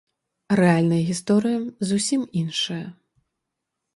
Рэальная гісторыя зусім іншая.